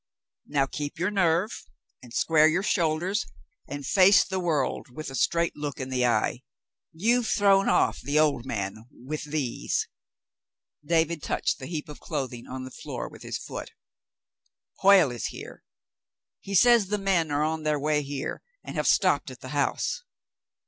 "Now keep your nerve, and square your shoulders and face the world with a straight look in the eye. You've thrown off the old man with these." David touched the heap of clothing on the floor with his foot. "Hoyle is here. He says the men are on their way here and have stopped at the house."